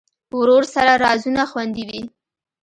ورور سره رازونه خوندي وي.